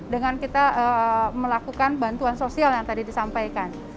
dengan kita melakukan bantuan sosial yang tadi disampaikan